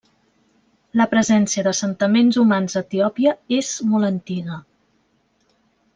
La presència d'assentaments humans a Etiòpia és molt antiga.